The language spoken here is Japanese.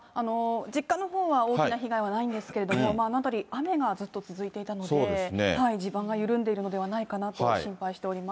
実家のほうは、大きな被害はないんですけれども、あの辺り、雨がずっと続いていたので、地盤が緩んでいるのではないかなと心配しております。